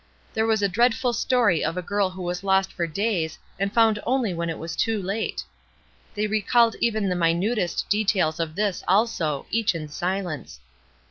There was a dreadful story of a girl who was lost for days and found only when it was too late. They recalled even the minutest details of this also, each in silence.